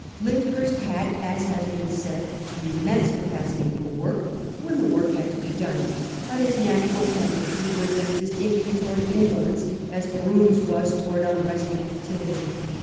Lyndhurst had, as has been said, an immense capacity for work, when the work had to be done ; but his natural tendency was as distinctly to wards indolence as Brougham's was towards unresting activity.